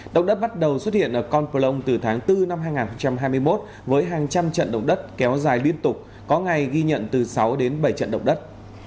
động đất bắt đầu xuất hiện ở con plong từ tháng bốn năm hai nghìn hai mươi một với hàng trăm trận động đất kéo dài liên tục có ngày ghi nhận từ sáu đến bảy trận động đất